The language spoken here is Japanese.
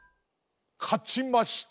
かちました